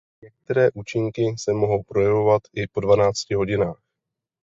Některé účinky se mohou projevovat i po dvanácti hodinách.